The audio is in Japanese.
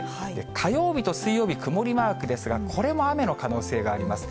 火曜日と水曜日、曇りマークですが、これも雨の可能性があります。